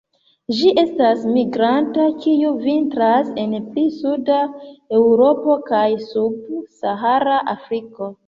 Ĝi estas migranta, kiu vintras en pli suda Eŭropo kaj sub-Sahara Afriko.